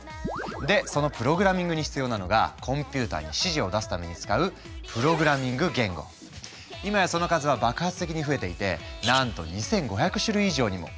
でそのプログラミングに必要なのがコンピューターに指示を出すために使う今やその数は爆発的に増えていてなんと２，５００種類以上にも。